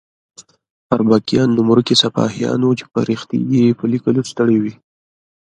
اربکیان نوم ورکي سپاهیان وو چې فرښتې یې په لیکلو ستړې وي.